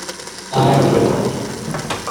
I will be.